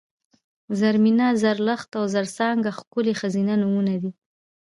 زرمېنه ، زرلښته او زرڅانګه ښکلي ښځینه نومونه دي